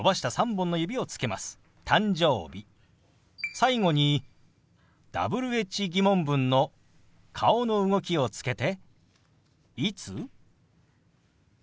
最後にＷｈ−疑問文の顔の動きをつけて「いつ？」。